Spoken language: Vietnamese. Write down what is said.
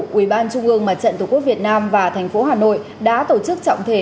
ủy ban trung ương mặt trận tổ quốc việt nam và thành phố hà nội đã tổ chức trọng thể